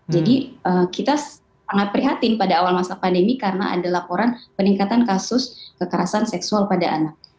jadi kita sangat prihatin pada awal masa pandemi karena ada laporan peningkatan kasus kekerasan seksual pada anak